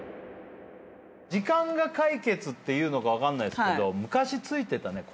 時間が解決っていうのか分かんないですけど昔ついてた。